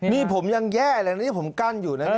นี่ผมยังแย่เลยนะนี่ผมกั้นอยู่นะ